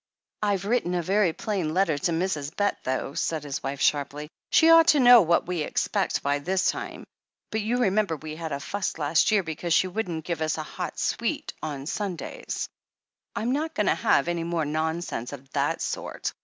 "I've written a very plain letter to Mrs. Bett, though," said his wife sharply. "She ought to know what we expect by this time, but you remember we had a fuss last year because she wouldn't give us a hot sweet on Stmdays. I'm not going to have any more nonsense of that sort.